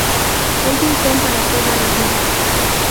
Ellos son para toda la vida.